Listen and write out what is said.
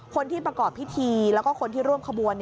คนที่ประกอบพิธีแล้วก็คนที่ร่วมขบวน